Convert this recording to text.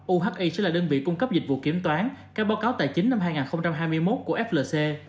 uhi sẽ là đơn vị cung cấp dịch vụ kiểm toán các báo cáo tài chính năm hai nghìn hai mươi một của flc